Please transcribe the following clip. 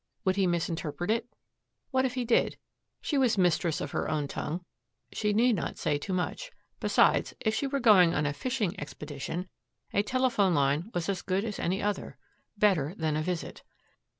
Would he misinterpret it? What if he did? She was mistress of her own tongue. She need not say too much. Besides, if she were going on a fishing expedition, a telephone line was as good as any other better than a visit.